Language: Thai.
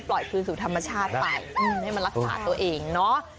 คืนสู่ธรรมชาติไปให้มันรักษาตัวเองเนาะ